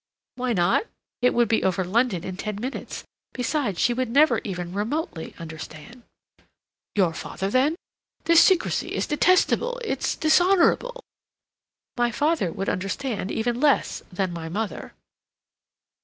"Why not? It would be over London in ten minutes, besides, she would never even remotely understand." "Your father, then? This secrecy is detestable—it's dishonorable." "My father would understand even less than my mother."